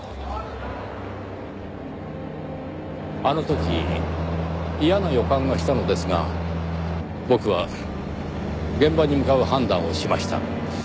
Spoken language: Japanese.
あの時嫌な予感がしたのですが僕は現場に向かう判断をしました。